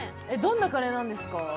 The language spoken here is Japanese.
どんなカレーなんですか？